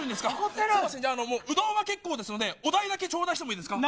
うどんは結構ですのでお代だけ頂戴してもいいですか。